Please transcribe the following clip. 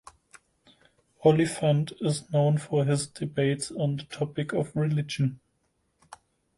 Oliphant is known for his debates on the topic of religion.